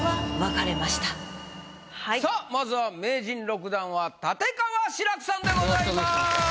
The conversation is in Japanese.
さあまずは名人６段は立川志らくさんでございます。